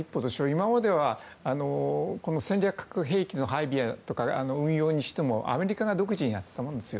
今までは戦略核兵器の配備とか運用にしてもアメリカが独自にやってましたよね。